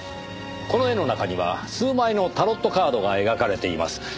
この絵の中には数枚のタロットカードが描かれています。